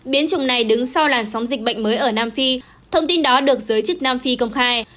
biến chủng này đứng sau làn sóng dịch bệnh mới ở nam phi thông tin đó được giới chức nam phi công khai